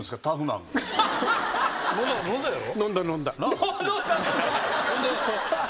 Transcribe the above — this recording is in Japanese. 飲んだやろ？